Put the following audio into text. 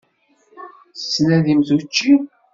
Tettnadimt učči?